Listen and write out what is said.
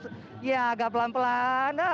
pergerakannya agak pelan pelan